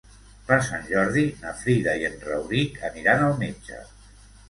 Per Sant Jordi na Frida i en Rauric aniran al metge.